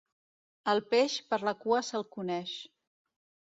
El peix, per la cua se'l coneix.